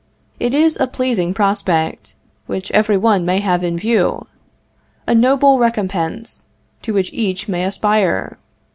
It is a pleasing prospect, which every one may have in view; a noble recompense, to which each may aspire.